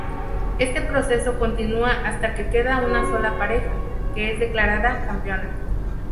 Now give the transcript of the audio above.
Este proceso continúa hasta que queda una sola pareja, que es declarada campeona.